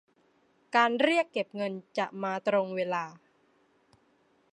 การเรียกเก็บเงินจะมาตรงเวลา